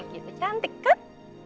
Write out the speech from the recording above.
gitu cantik kan